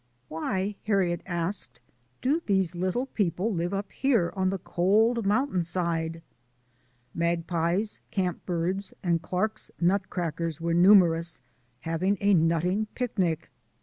"Why/'' Harriet asked, "do these little people live up here on the cold mountain side ?" Magpies, camp birds, and Clarke's nutcrackers were numerous, having a nutting picnic.